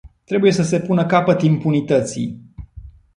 Trebuie să se pună capăt impunității.